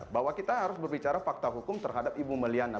bahwa kita harus berbicara fakta hukum terhadap ibu meliana